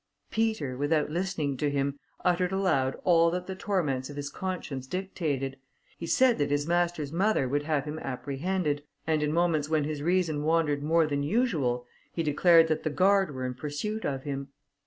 Peter, without listening to him, uttered aloud all that the torments of his conscience dictated; he said that his master's mother would have him apprehended, and in moments when his reason wandered more than usual, he declared that the guard were in pursuit of him.